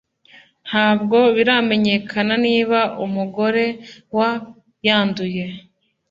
ntabwo biramenyekana niba umugore wa yanduye